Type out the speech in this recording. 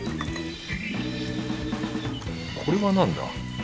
これは何だ？